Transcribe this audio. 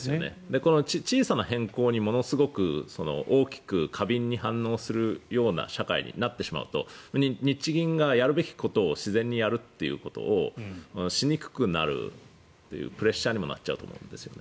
この小さな変更にものすごく大きく過敏に反応するような社会になってしまうと日銀がやるべきことを自然にやるっていうことをしにくくなるというプレッシャーにもなっちゃうと思うんですよね。